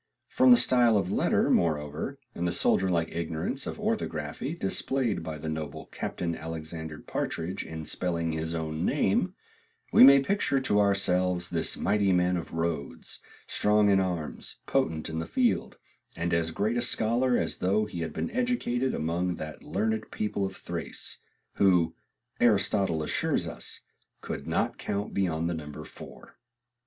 From the style of the letter, moreover, and the soldier like ignorance of orthography displayed by the noble Captain Alicxsander Partridg in spelling his own name, we may picture to ourselves this mighty man of Rhodes, strong in arms, potent in the field, and as great a scholar as though he had been educated among that learned people of Thrace, who, Aristotle assures us, could not count beyond the number four.